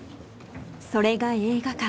それが映画館。